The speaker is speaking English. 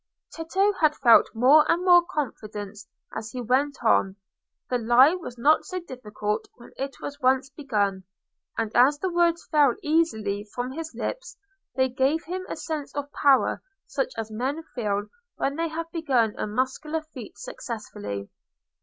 Tito had felt more and more confidence as he went on; the lie was not so difficult when it was once begun; and as the words fell easily from his lips, they gave him a sense of power such as men feel when they have begun a muscular feat successfully.